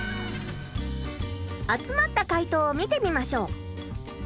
集まった回答を見てみましょう。